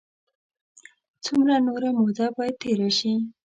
څومره نوره موده باید تېره شي.